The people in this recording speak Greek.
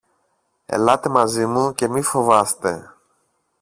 Ελάτε μαζί μου και μη φοβάστε!